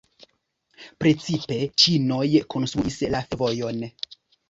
Precipe ĉinoj konstruis la fervojon.